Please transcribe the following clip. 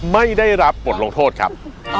ไม่ได้รับบทลงโทษครับ